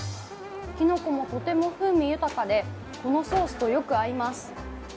きのこもとても風味豊かでこのソースとよく合います。